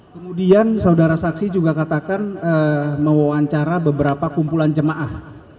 kemudian saudara saksi juga katakan mewawancara beberapa kumpulan jemaah